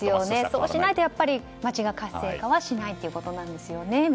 そうしないとやっぱり街が活性化しないということですね。